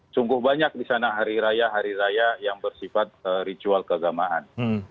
sungguh banyak di sana hari raya hari raya yang bersifat ritual keagamaan